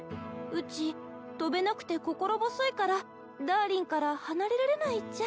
うち飛べなくて心細いからダーリンから離れられないっちゃ。